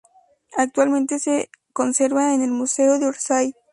Actualmente se conserva en el Museo de Orsay.